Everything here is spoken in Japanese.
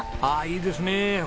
ああいいですねえ。